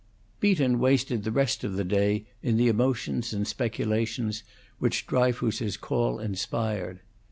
Beaton wasted the rest of the day in the emotions and speculations which Dryfoos's call inspired.